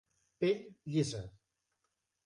Pell llisa.